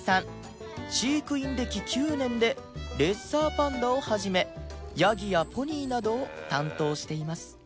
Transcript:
飼育員歴９年でレッサーパンダを始めヤギやポニーなどを担当しています